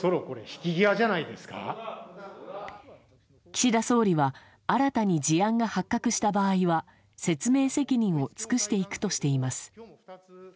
岸田総理は新たに事案が発覚した場合は説明責任を尽くしていくとしています。